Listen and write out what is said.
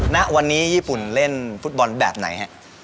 ณวันนี้ญี่ปุ่นเล่นฟุตบอลแบบไหนฮะ